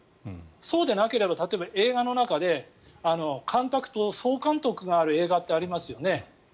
そうでなければ例えば、映画の中で監督と総監督がある映画ってありますよね。